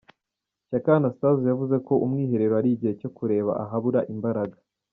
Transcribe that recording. Shyaka Anastase yavuze ko umwiherero ari igihe cyo kureba ahabura imbaraga.